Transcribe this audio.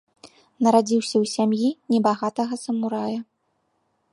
Нарадзіўся ў сям'і небагатага самурая.